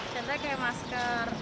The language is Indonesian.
contohnya kayak masker